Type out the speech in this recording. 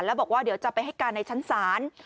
แล้วบอกว่าเดี๋ยวจะไปให้การในชั้นศาล